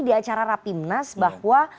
di acara rapimnas bahwa